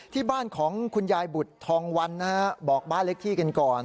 ที่บ้านของคุณยายบุตรทองวันนะฮะบอกบ้านเลขที่กันก่อน